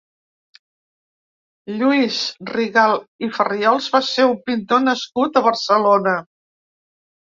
Lluís Rigalt i Farriols va ser un pintor nascut a Barcelona.